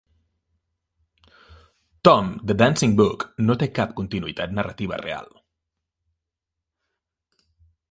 "Tom The Dancing Bug" no té cap continuïtat narrativa real.